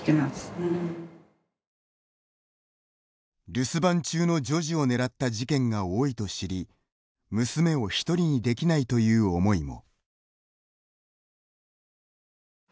留守番中の女児をねらった事件が多いと知り娘を１人にできないという思いも。